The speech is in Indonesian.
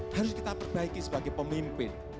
harus kita perbaiki sebagai pemimpin